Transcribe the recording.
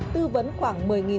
tư vấn của các trẻ em